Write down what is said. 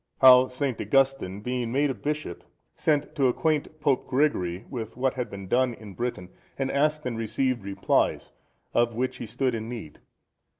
How St. Augustine, being made a bishop, sent to acquaint Pope Gregory with what had been done in Britain, and asked and received replies, of which he stood in need.